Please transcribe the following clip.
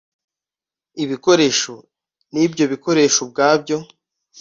ibikoresho n’ibyo bikoresho ubwabyo